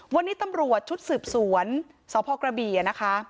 วันนี้ตำรวจชุดสืบสวนสพกระบี่นะคะ